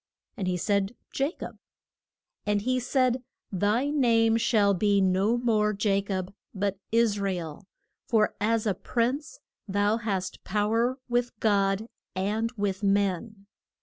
And he said, Ja cob. And he said, Thy name shall be no more Ja cob but Is ra el, for as a prince thou hast pow er with God and with men.